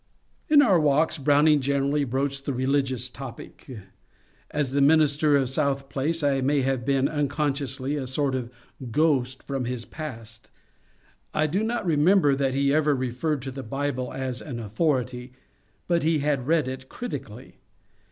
In our walks Browning generally broached the religious topic. As the minister of South Place I may have been un consciously a sort of ghost from his past. I do not remember that he ever referred to the Bible as an authority, but he had read it critically.